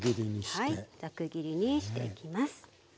はいザク切りにしていきます。